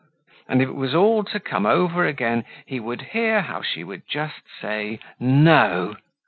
And if it was all to come over again, he would hear how she would just say "no!"